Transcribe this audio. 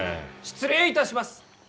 失礼いたします。